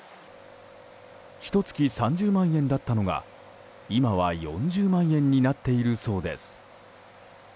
ひと月３０万円だったのが今は４０万円になっているそうです。